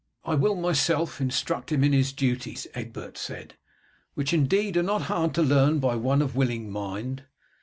"I will myself instruct him in his duties," Egbert said, "which indeed are not hard to learn by one of willing mind.